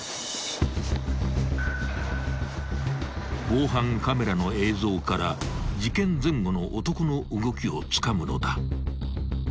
［防犯カメラの映像から事件前後の男の動きをつかむのだ］